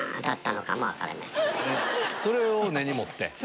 それを根に持って？